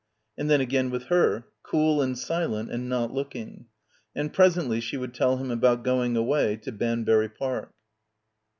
And then again with her, cool and silent and not looking. And presently she would tell him about going away to Banbury Park.